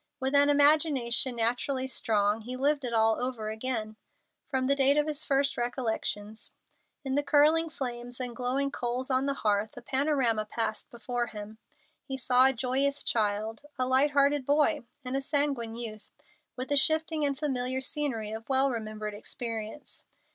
With an imagination naturally strong he lived it all over again, from the date of his first recollections. In the curling flames and glowing coals on the hearth a panorama passed before him. He saw a joyous child, a light hearted boy, and a sanguine youth, with the shifting and familiar scenery of well remembered experience.